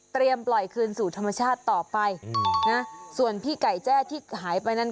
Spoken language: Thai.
ปล่อยคืนสู่ธรรมชาติต่อไปอืมนะส่วนพี่ไก่แจ้ที่หายไปนั้น